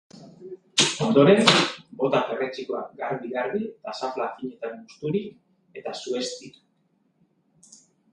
Ondoren, bota perretxikoak garbi garbi eta xafla finetan mozturik, eta sueztitu.